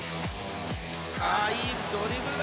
ああいいドリブルだ。